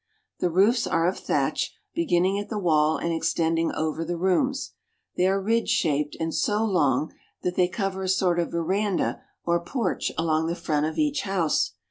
The roofs are of thatch, beginning at the wall and extending over the rooms. They are ridge shaped and so long that they cover a sort of veranda or porch along the front of each house.